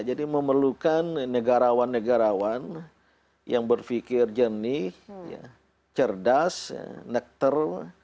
jadi memerlukan negarawan negarawan yang berpikir jernih cerdas nektar